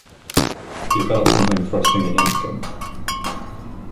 He felt something thrusting against him.